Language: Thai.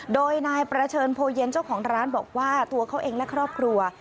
โดยนายประเชิญโพเย็นเจ้าของร้านบอกว่าตัวเขาเองและครอบครัว